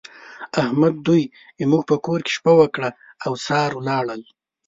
احمد دوی زموږ په کور کې شپه وکړه او سهار ولاړل.